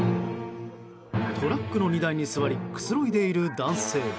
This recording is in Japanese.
トラックの荷台に座りくつろいでいる男性。